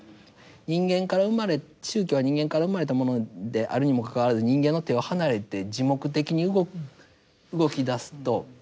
人間から生まれ宗教は人間から生まれたものであるにもかかわらず人間の手を離れて自目的に動きだすともうコントロール不能といいますか。